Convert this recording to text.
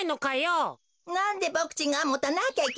なんでボクちんがもたなきゃいけないの？